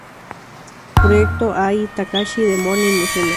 Project a Ai Takahashi de Morning Musume.